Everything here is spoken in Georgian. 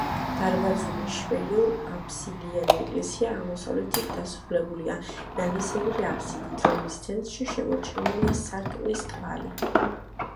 დარბაზული, შვერილაბსიდიანი ეკლესია აღმოსავლეთით დასრულებულია ნალისებრი აბსიდით, რომლის ცენტრში შემორჩენილია სარკმლის კვალი.